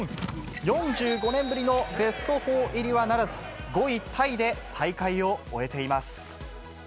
４５年ぶりのベスト４入りはならず、５位タイで大会を終えています。